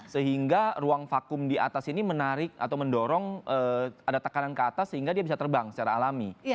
sehingga ruang vakum di atas ini menarik atau mendorong ada tekanan ke atas sehingga dia bisa terbang secara alami